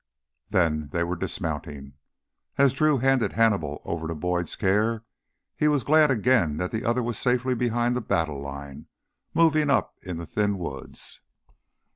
Then they were dismounting. As Drew handed Hannibal over to Boyd's care, he was glad again that the other was safely behind the battle line moving up in the thin woods.